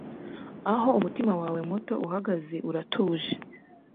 Aho umutima wawe muto uhagaze uratuje